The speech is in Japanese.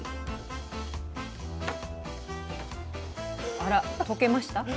あら溶けました？